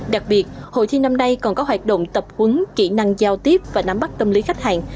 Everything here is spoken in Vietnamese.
đặc biệt hội thi năm nay còn có hoạt động tập huấn kỹ năng giao tiếp và nắm bắt tâm lý khách hàng